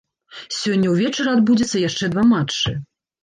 Сёння ўвечары адбудзецца яшчэ два матчы.